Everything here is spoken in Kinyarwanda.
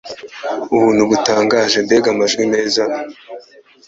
Ubuntu butangaje Mbega amajwi meza